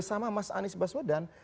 dan ini mas anies baswedan